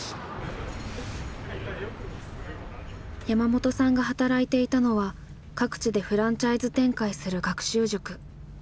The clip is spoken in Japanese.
山本さんが働いていたのは各地でフランチャイズ展開する学習塾。